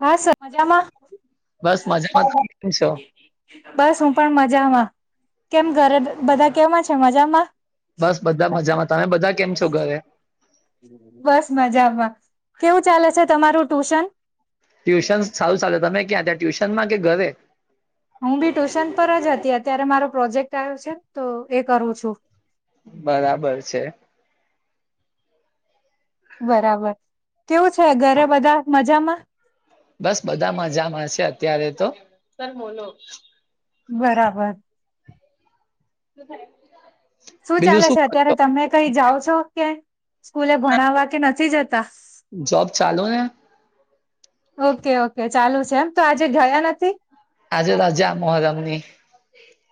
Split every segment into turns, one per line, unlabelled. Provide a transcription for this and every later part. હા સર મજામાં
બસ મજામાં તમે કેમ છો?
બસ હું પણ મજામાં કેમ ઘરે બધા કેમાં છે મજામાં
બસ બધા મજામાં તમે બધા કેમ છો ઘરે
બસ મજા આવમાં કેવું ચાલે છે તમારું ટ્યુશન
ટ્યુશન સારું ચાલે તમે ક્યાં ત્યાં ટ્યુશનમાં કે ઘરે
હું બી ટ્યુશન પર જ હતી અત્યારે મારો પ્રોજેક્ટ આવ્યો છે તો એ કરું છું
બરાબર છે
બરાબર કેવું છે ઘરે બધા મજામાં
બસ બધા મજામાં છે અત્યારે તો સર બોલો
બરાબર
[inaudible]
શું
બીજું
ચાલે છે
કરો
અત્યારે
છો?
તમે કઈ જાઓ છો કે સ્કૂલે ભણાવવા કે નથી જતા
જોબ ચાલુ ને
ઓકે ઓકે ચાલુ છે એમ તો આજે ગયા નથી
આજે રાજા મોહરમની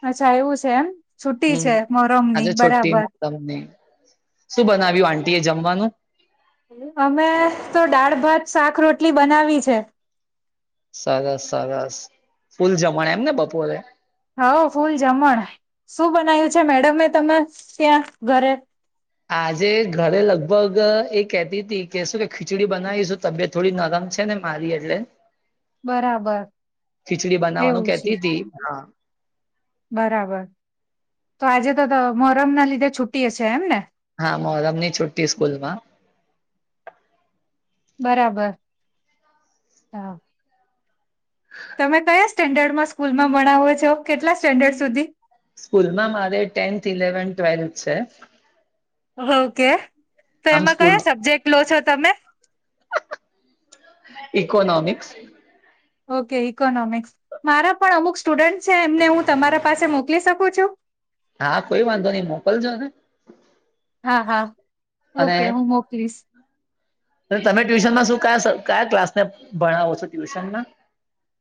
અચ્છા એવું છે એમ છુટ્ટી
હમ
છે મોહરમની
આજે છુટી
બરાબર
મોહરમની શું બનાવ્યું આટી એ જમવાનું
અમે તો દાળ ભાત શાક રોટલી બનાવી છે
સરસ સરસ ફૂલ જમણ એમને બપોરે
હાઓ ફૂલ જમણ શું બનાય્યું છે મેડમમે તમે ત્યાં ઘરે
આજે ઘરે લગભગ એ કેહેતી હતી કે શું કે ખીચડી બનાવીશું તબિયત થોડી નરમ છે ને મારી એટલે
બરાબર
ખીચડી
એવું
બનાવાનું
છે
કેતી તી હા
બરાબર તો આજે તો તો મોરહમ ના લીધે છુટી હશે એમ ને
હા મોહરમની છુટ્ટી સ્કૂલમાં
બરાબર હા તમે કયા સ્ટેન્ડર્ડમાં સ્કૂલમાં ભણાવો છો કેટલા સ્ટેન્ડર્ડ સુધી
સ્કૂલમાં મારે ટેન્થ ઇલેવન્ ટ્વેલ્થ છે
હુંઓકે તો
આમ
એમાં
સ્કૂલ
કયા સબ્જેક્ટ લો છો તમે
ઇકોનોમિક્સ
ઓકે ઈકોનોમિક્સ મારા પણ અમુક સ્ટુડન્ટ છે એમને હું તમારા પાસે મોકલી શકું છું
હા કોઈ વાંધો નઈ મોકલજો ને
હા હા ઓકે હું મોકલીશ
તો તમે ટ્યુશનમાં શું કાસ કયા ક્લાસને ભણાવો છો ટ્યુશનમાં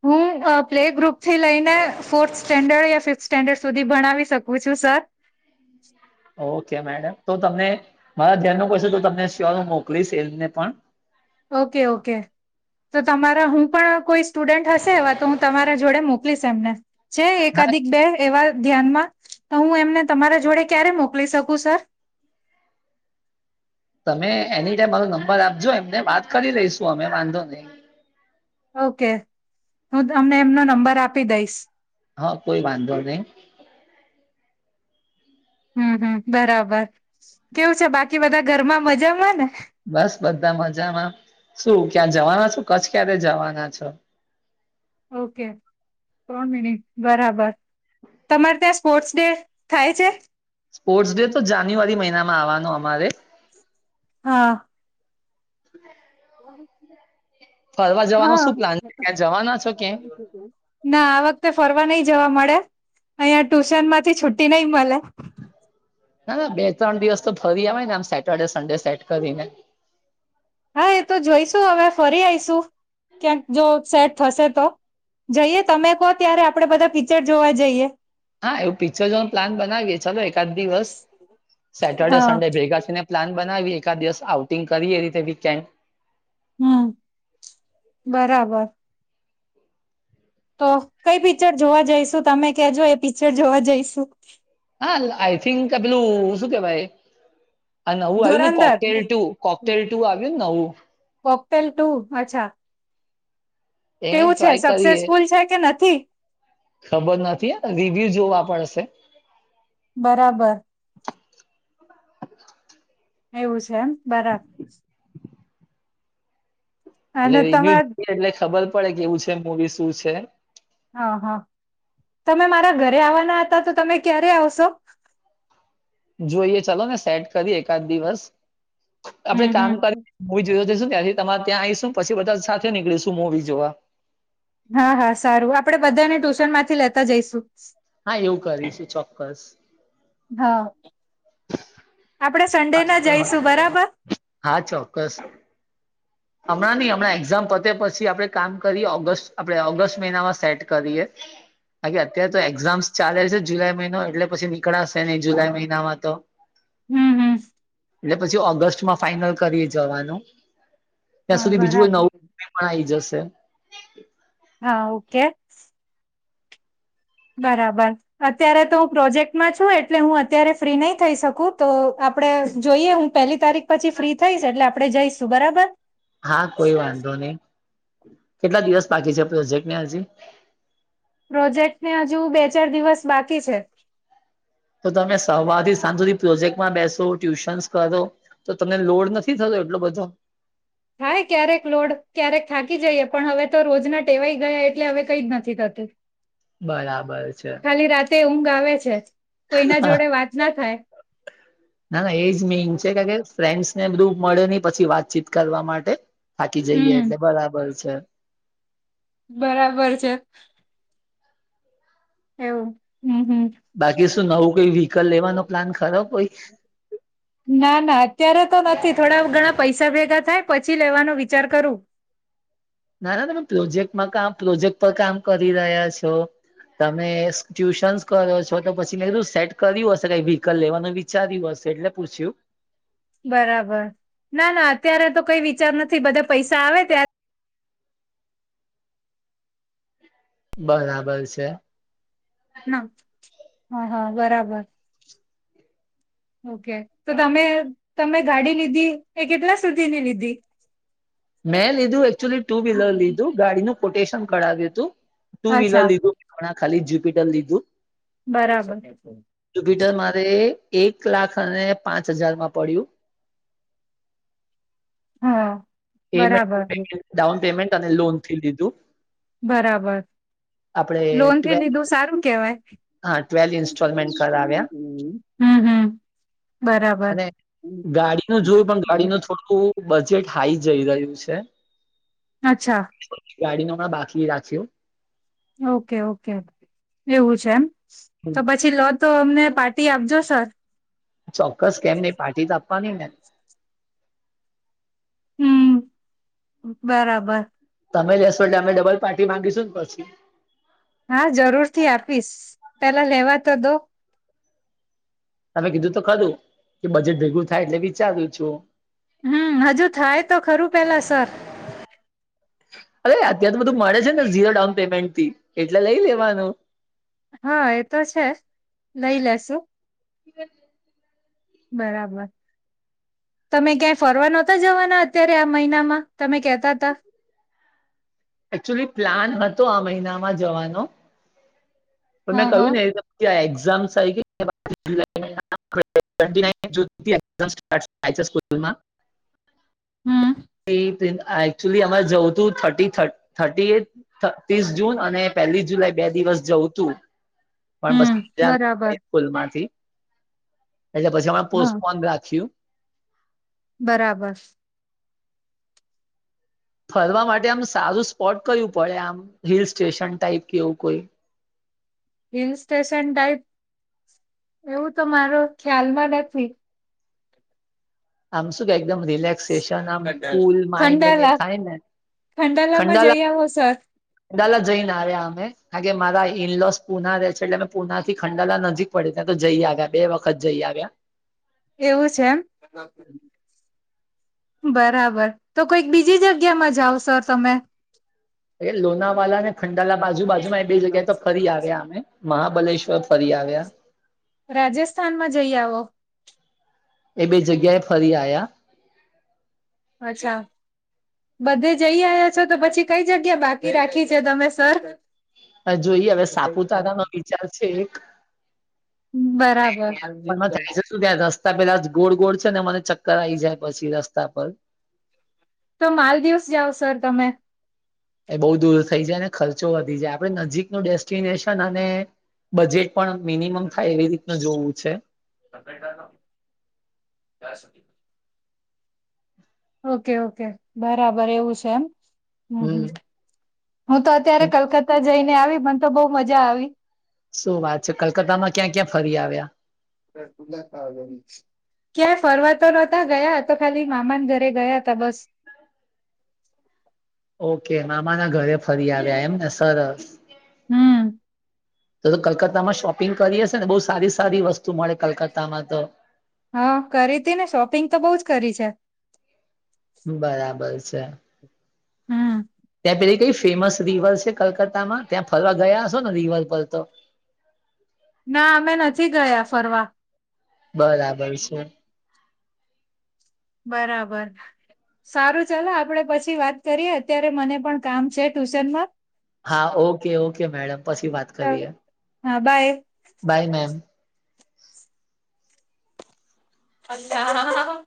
હું પ્લે ગ્રુપ થી લઈને ફોર્થ સ્ટેન્ડર્ડ યા ફિફ્થ સ્ટેન્ડર્ડ સુધી ભણાવી શકું છું સર
હમ ઓકે મેડમ તો તમને મારા ધ્યાન નુપુછીશ તો તમને શ્યોર હું મોકલીશ એમને પણ
ઓકે ઓકે તો તમારા હું પણ કોઈ સ્ટુડન્ટ હશે એવા તો હું તમારા જોડે મોકલીશ એમને છે
હા
એકાધિક બે એવા ધ્યાનમાં તો હું એમને તમારા જોડે ક્યારે મોકલી શકું સર
તમે એની જે મારો નબર આપજો એમને વાત કરી રહીશું અમે વાંધો નહી
ઓકે હું અમને એમનો નંબર આપી દઈશ
હા કોઈ વાંધો નહી
હમ હમ બરાબર કેવું છે બાકી બધા ઘરમાં મજામાં ને
બસ બધા મજામાં શું ક્યાં જવાના છું કચ્છ ક્યારે જવાના છો [unintelligible]
ઓકે કોણ મિની બરાબર. તમારે ત્યાં સ્પોર્ટ્સ ડે થાય છે?
સ્પોર્ટ્સ ડે તો જાન્યુઆરી મહિનામાં આવવાનો અમારે.
હા.
હ
[inaudible]
જવાનો
હા
શું પ્લાન છે ક્યાં જવાના છો ક્યાં
ના આ વખતે ફરવા નઈ જોવા મળે. અહંયા ટ્યુશન માંથી છૂટી નઈ મળે.
ના ના બે ત્રણ દિવસ તો ફરી આવે ને આમ સેટરડે સન્ડે સેટ કરીને.
હા એ તો જોઈશુ હવે ફરી આઈશું ક્યાંક જો સેટ થશે તો. જઈએ તમે કહો ત્યારે આપડે બધા પીચર જોવા જઈએ.
હા એવું પિક્ચર જોન પ્લાન બનાવીયે ચાલો એકાદ દિવસ. સેટરડે
હા
સન્ડે ભેગા થઈને પ્લાન બનાવીએ એકાદ દિવસ આઉટિંગ કરી એ રીતે વીકેન્ડ.
હમ્મ, બરાબર. તો કઈ પિક્ચર જોવા જઈશું તમે કેજો એ પિક્ચર જોવા જઈશું.
હા આઈ થિંક પેલું શું કેવાય આ નવું આવ્યું ને
ધુરંધર
કોકટેલ ટુ, કોકટેલ ટુ આવ્યું ને નવું?
પોકપલ ટુ અચ્છા.
એને
કેવું છે
ટ્રાય કરીએ
સક્સેસફુલ છે કે નથી?
ખબર નથી હ રિવ્યુ જોવા પડશે.
બરાબર એવું છે એમ બરા
એટલે
અને તમે
રિવ્યુ જોઈએ એટલે ખબર પડે કેવું છે મુવી શું છે.
હા હા. તમે મારા ઘરે આવવાના હતા તો તમે ક્યારે આવશો?
જોઈએ ચાલો ને સેટ કરી એકાદ દિવસ આપડે
હમ હમ
કામ કરી મવી જોવા જશું ન ત્યાંથી તમારે ત્યાં આઈશું પછી બધા સાથે નીકળીશું મુવી જોવા.
હા હા સારું આપડે બધાને ટ્યુશન માંથી લેતા જઈશું.
હા એવું કરીશું ચોક્કસ.
હા. આપડે સન્ડે ના જઈશું બરાબર?
હા ચોક્કસ હમણાં નહી હમણાં એક્ઝામ પતે પછી આપડે કામ કરીએ ઓગસ્ટ આપણે ઓગસ્ટ મહિનામાં સેટ કરીએ. બાકી અત્યારે તો એક્ઝામ્સ ચાલે છે જુલાઈ મહિનો એટલે પછી નીકળશે નહી જુલાઈ મહિનામાં તો.
હમ્મ.
એટલે પછી ઓગસ્ટમાં ફાઈનલ કરી જવાનું. ત્યાં
હા
સુધી બીજું
બરાબર
નવું પણ આવી જશે.
હા ઓકે. બરાબર અત્યારે તો હું પ્રોજેક્ટમાં છું એટલે હું અત્યારે ફ્રી નહી થઈ શકું તો આપડે જોઈએ હું પેલી તારીખ પછી ફ્રી થઈશ એટલે આપડે જઈશું બરાબર?
હા કોઈ વાંધો નહી. કેટલા દિવસ બાકી છે પ્રોજેક્ટ ને હજી?
પ્રોજેક્ટને હજુ બે ચાર દિવસ બાકી છે.
તો તમે સવારથી સાંજ સુધથી પ્રોજેક્ટમાં બેસો, ટ્યુશન્સ કરો તો તમને લોડ નથી થતો એટલો બધો.
થાય ક્યારેક લોડ ક્યારેક થાકી જઈએ પણ હવે તો રોજના ટેવાઈ ગયા એટલે હવે કઈ જ નથી થતું.
બરાબર છે.
ખાલી રાતે ઊંઘ આવે છે કોઈ ના જોડે વાત ના થાય.
ના ના એજ મિનંગ છે કે કે ફ્રેન્ડસ ને બધું મળે નહી પછી વાતચીત કરવા માટે બાકી જઈએ
હમ
એટલે બરાબર છે.
બરાબર છે. એવું. હમ હમ
બાકી શું નવું કઈ વ્હીકલ લેવાનો પ્લાન ખરાબ કોઈ
ના ના અત્યારે તો નથી થોડા ઘણા પૈસા ભેગા થાય પછી લેવાનો વિચાર કરું
ના ના તમે પ્રોજેક્ટમાં કામ પ્રોજેક્ટ પર કામ કરી રહ્યા છો તમે ટ્યુશન્સ કરો છો તો પછીને એધું સેટ કર્યું હશે કઈ વ્હીકલ લેવાનું વિચાર્યું હશે એટલે પુછયું
બરાબર ના ના અત્યારે તો કઈ વિચાર નથી બધા પૈસા આવે ત્યારે
બરાબર છે.
ના હા હા બરાબર ઓકે તો તમે તમે ગાડી લીધી એ કેટલા સુધીની લીધી
મેં લીધું એકચુલી ટુ વ્હીલર લીધું ગાડીનું કોટેશન કરઢાવ્યું હતું ટુ વ્હીલર
અચ્છા
લીધું હમણાં ખાલી જ્યુપિટર લીધું
બરાબર
જુપિટર મારે એક લાખ અને પાંચ હજારમાં પડ્યું
હા બરાબર
પેમેન્ટ ડાઉન પેમેન્ટ અને લોન થી લીધું
બરાબર
આપડે
લોનથી
ટ્વે
લીધું સારું કેવાય
હા ટ્વેલ્વ ઇન્સ્ટોલમેન્ટ કરાવ્યા
હમ હમ બરાબર
અને ગાડીનું જોયું પણ ગાડીનું થોડું બજેટ હાઈ જઈ રહ્યું છે
અચ્છા
ગાડીનું બાકી રાખ્યું
ઓકે ઓકે એવું છે એમ તો પછી લો તો અમને પાર્ટી આપજો સર
ચોક્કસ કેમની પાર્ટી તો આપવાની ને
હમ બરાબર
તમે લેશો એટલે અમે ડબલ પાર્ટી માંગીશું ને પછી
હા જરૂરથી આપીશ પેલા લેવા તો દો
તમે કીધું તો ખરું કે બજેટ ભેગું થાય એટલે વિચાર્યું છું.
હમ હજુ થાય તો ખરું પેલા સર
અરે અત્યાર તો બધું મળે છે ને ઝીરો ડાઉન પેમેન્ટથી એટલે લઈ લેવાનું
હા એ તો છે લઈ લેશુ
[inaudible]
બરાબર તમે ક્યાંય ફરવા નહતા જવાના અત્યારે આ મહિનામાં તમે કેતા ત
એકચુલી પ્લાન હતો આ મહિનામાં જવાનો પણ મેં
હા હા
કહ્યું ને એક્ઝામ આવી ગ [unintelligible] ટવેનટી નાઈન [unintelligible] થાય છે સ્કૂલમાં
હમ
એ દિન એકચુલી અમારે જવું તું થટી થર્ટી એ ત્રીસ જૂન અને પહેલી જુલાઈ બે દિવસ જવું તુ પણ બસ
હમ બરાબર
ફૂલમાંથી [inaudible] એટલે પછી અમે
હા
પોસ્ટપોન રાખ્યું
બરાબર
ફરવા માટે આમ સારું સ્પોટ કયું પડે આમ હિલ સ્ટેશન ટાઈપ કેવું કોઈ [inaudible]
હિલ સ્ટેશન ટાઈપ એવું તો મારો ખ્યાલમાં નથી
આમ સુું કે એકમ રિલેક્સેશન આમ કુલ માઈન્ડને
ખંડાલા
થાય ને
ખંડાલામાં
ખંડાલા
જઈ આવો સર
ખંડાલા જઈ ના રહ્યા અમે કારણ કે મારા ઇનલોસ પુના રે છે એટલે અમે પુનાથી ખંડાલા નજીક પડે ત્યાં જઈ આવ્યા બે વખત જઈ આવ્યા
એવું છે એમ બરાબર તો કોઈક બીજી જગ્યામાં જાઓ સર તમે
લોનાવાલા ને ખંડાલા બાજુ બાજુમાં એ બે જગ્યાએ તો ફરી આવ્યા અમે મહાબલેશ્વર ફરી આવ્યા
રાજસ્થાનમાં જઈ આવો
એ બે જગ્યાએ ફરી આયા
અચ્છા બધે જઈ આયા છો તો પછી કઈ જગ્યા બાકી રાખી છે તમે સર
હ જોઈએ હવે સાપુતારા નો વિચાર છે એક
બરાબર
[unintelligible] પણ ચાર્જસ સુધ રસ્તા પેલા ગોળ ગોળ છે ને મને ચક્કર આવીઈ જાય પછી રસ્તા પર
તો માલદીવસ જાઓ સર તમે
એ બહુ દૂર થઈ જાય અનેને ખર્ચો વધી જાય આપડ નજીક ન ડેસ્ટિનેશન અને બજેટ પણ મિનિમમ થાય એવી રીતનું જોવું છે.
[unintelligible] ઓકે ઓકે બરાબર એવું છે એમ હમ હમ હું તો અત્યારે કલકત્તા જઈને આવી મને તો બહ મજા આવી
શું વાત છે કલકત્તા માં ક્યાં ક્યાં ફરી આવ્યા
તુલા કગની ક્યાંય ફરવાતો નહતા ગયા તો ખાલી મામા ના ઘરે ગયા ત બસ
ઓકે મામા ના ઘરે ફરી આવ્યા એમને સરસ
હમ
તો તો કલકત્તામાં શોપિંગ કરી હશે ને બહુ સારી સારી વસ્તુ મળે કલકત્તામાં તો
હા કરી હતી ને શોપિંગ તો બહ જ કરી છે.
બરાબર છે.
હમ
ત્યાં પૈછ કઈ ફેમસ રિવર છે કલકત્તામાં ત્યાં ફરવા ગયા છો ને રીવર પરરતો
ના અમે નથી ગયા ફરવા
બરાબર છે
બરાબર સારું ચાલ આપડે પછી વાત કરીએ અત્યારે મને પણ કામ છે ટ્યુશનમાં
હા ઓકે ઓકે મેડમ પછી વાત કરીએ
હા બાય
બાય મેમ
અચછા હા હ હ